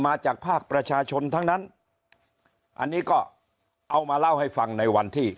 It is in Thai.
มาจากภาคประชาชนทั้งนั้นอันนี้ก็เอามาเล่าให้ฟังในวันที่